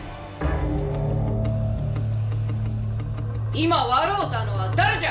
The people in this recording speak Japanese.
今笑うたのは誰じゃ。